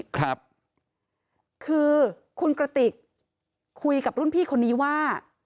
คือคุณกระติกคุยกับรุ่นพี่คนนี้ว่า